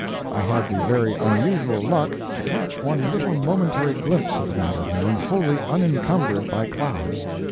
I had the very unusual luck to catch one little momentary glimpse of the Matterhorn wholly unencumbered by clouds.